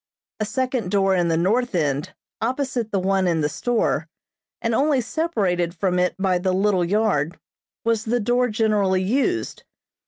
A second door in the north end, opposite the one in the store, and only separated from it by the little yard was the door generally used.